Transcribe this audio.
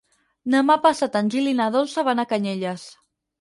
Demà passat en Gil i na Dolça van a Canyelles.